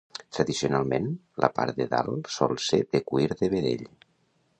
Tradicionalment, la part de dalt sol ser de cuir de vedell.